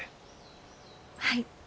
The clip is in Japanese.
はい。